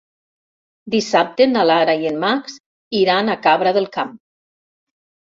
Dissabte na Lara i en Max iran a Cabra del Camp.